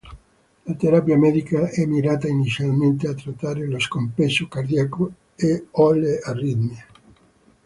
La terapia medica è mirata inizialmente a trattare lo scompenso cardiaco o le aritmie.